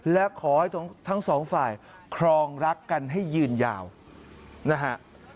และขอให้ทั้งสองฝ่ายครองรักกันให้ยืนยาวนะฮะ